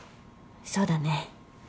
そうだね。